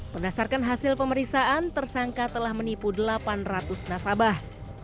berdasarkan hasil pemeriksaan tersangka telah menipu delapan ratus nasabah